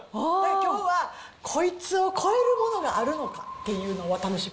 きょうはこいつを超えるものがあるのかっていうのが楽しみ。